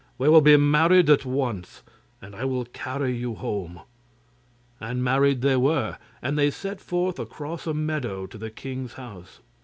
'We will be married at once, and I will carry you home.' And married they were, and they set forth across a meadow to the king's house.